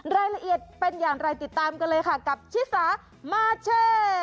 รายละเอียดเป็นอย่างไรติดตามกันเลยค่ะกับชิสามาเช่